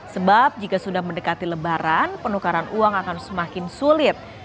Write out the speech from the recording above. sebab jika sudah mendekati lebaran penukaran uang akan semakin sulit